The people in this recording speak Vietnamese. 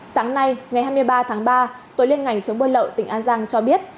sáng nay ngày hai mươi ba tháng ba tối liên ngành chống buôn lậu tỉnh an giang cho biết